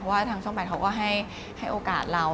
ว่าทางช่อง๘เขาก็ให้โอกาสเรา